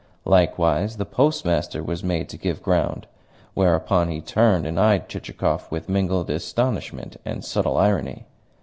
Likewise the Postmaster was made to give ground; whereupon he turned and eyed Chichikov with mingled astonishment and subtle irony.